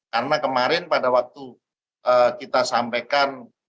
karena kemarin pada waktu kita sampaikan